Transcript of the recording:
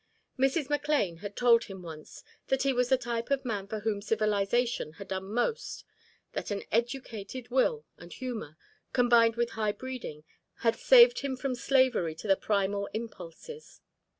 Mrs. McLane had told him once that he was the type of man for whom civilization had done most: that an educated will and humour, combined with high breeding, had saved him from slavery to the primal impulses.